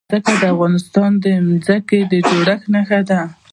ځمکه د افغانستان د ځمکې د جوړښت نښه ده.